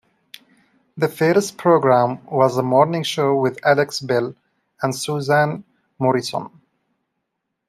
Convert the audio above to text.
The first programme was "The Morning Show with Alex Bell and Susan Morrison".